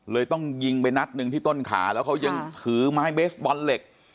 ต้องยิงไปนัดหนึ่งที่ต้นขาแล้วเขายังถือไม้เบสบอลเหล็ก